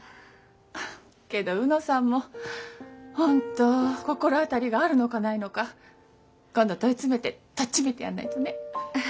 けど卯之さんも本当は心当たりがあるのかないのか今度問い詰めてとっちめてやんないとね。